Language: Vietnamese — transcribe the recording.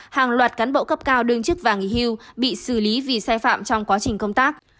hàng loạt cán bộ cấp cao đương chức và nghỉ hưu bị xử lý vì sai phạm trong quá trình công tác